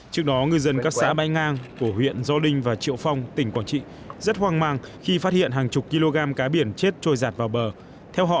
trước đó ngư dân các xã bay ngang của huyện do đinh và triệu phong tỉnh quảng trị rất hoang mang khi phát hiện hàng chục kg cá biển chết trôi giạt vào bờ